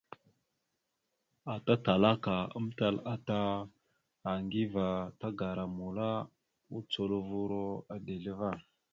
Ata Talaka amtal ata Aŋgiva tagara mula ma, ocolovura a dezl ava.